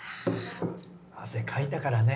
汗かいたからね。